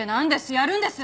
やるんです？